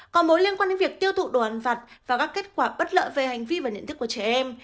có mối liên quan đến việc tiêu thụ đồ ăn vặt và các kết quả bất lợi về hành vi và nhận thức của trẻ em